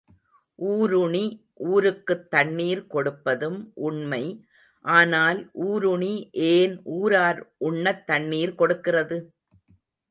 ஊருணி ஊருக்குத் தண்ணீர் கொடுப்பதும் உண்மை ஆனால் ஊருணி ஏன் ஊரார் உண்ணத் தண்ணீர் கொடுக்கிறது?